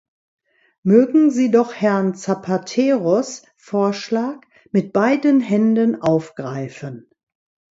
Mögen sie doch Herrn Zapateros Vorschlag mit beiden Händen aufgreifen.